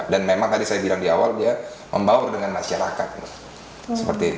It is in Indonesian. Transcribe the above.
dan memang tadi saya bilang di awal dia membaur dengan masyarakat